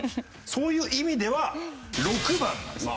そういう意味では６番なんです。